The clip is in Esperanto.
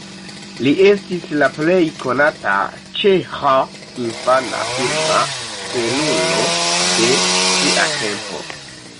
Li estis la plej konata ĉeĥa infana filma stelulo de sia tempo.